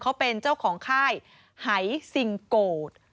เขาเป็นเจ้าของค่ายหายซิงโกด